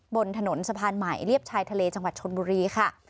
บนถนนสะพานใหม่เรียบชายทะเลจังหวัดชนบุรีค่ะ